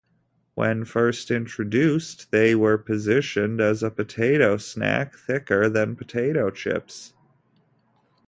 When first introduced, they were positioned as a potato snack, thicker than potato chips.